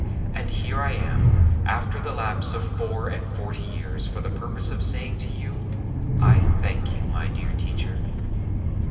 And here I am, after the lapse of four and forty years, for the purpose of saying to you, 'I thank you, my dear teacher.'